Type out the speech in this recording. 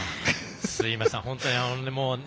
すみません。